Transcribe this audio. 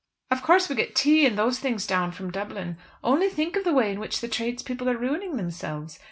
Of course we get tea and those things down from Dublin. Only think of the way in which the tradespeople are ruining themselves.